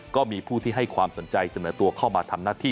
ก็มีผู้ที่ให้ความสนใจเสนอตัวเข้ามาทำหน้าที่